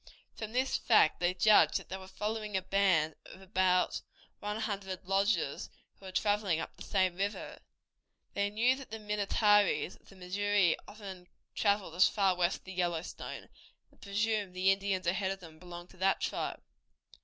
From this fact they judged that they were following a band of about one hundred lodges, who were traveling up the same river. They knew that the Minnetarees of the Missouri often traveled as far west as the Yellowstone, and presumed that the Indians ahead of them belonged to that tribe.